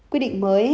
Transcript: quy định mới